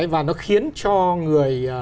và nó khiến cho người